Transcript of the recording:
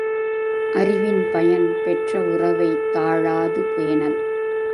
அறிவின் பயன், பெற்ற உறவைத் தாழாது பேணல்.